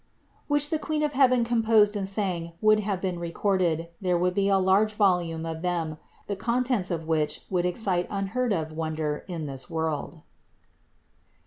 which the Queen of heaven composed and sang would have been recorded, there would be a large volume of them, the contents of which would excite unheard of wonder in this world.